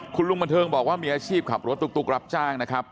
คุณลุงบันเทิงบอกว่ามีอาชีพขับรถตุ๊กรับจ้างนะครับ